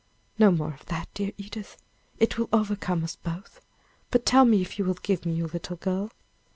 "No more of that, dear Edith, it will overcome us both; but tell me if you will give me your little girl?"